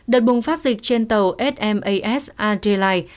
đợt bùng phát dịch trên tàu smas adelaide